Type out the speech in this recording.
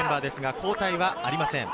交代はありません。